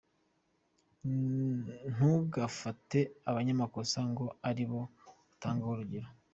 Ntugafate abanyamakosa ngo aribo utangaho urugero.